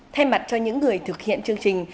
thay mặt cho những người thực hiện chương trình